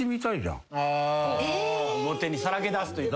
表にさらけ出すというか。